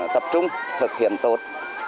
tập trung thực hiện tốt